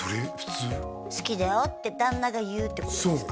好きだよって旦那が言うってことですか？